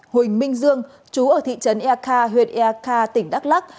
huỳnh minh dương chú ở thị trấn eakar huyện eakar tỉnh đắk lắc